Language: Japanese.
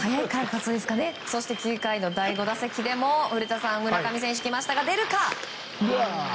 そして９回の第５打席でも古田さん村上選手、出るか。